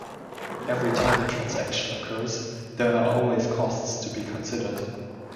Every time a transaction occurs, there are always costs to be considered.